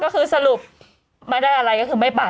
ก็คือสรุปไม่ได้อะไรก็คือไม่เป่า